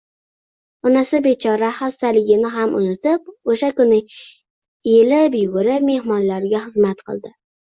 Onasi bechora xastaligini ham unutib, o`sha kuni elib-yugurib mehmonlarga xizmat qildi